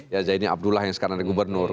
jadi ini abdullah yang sekarang gubernur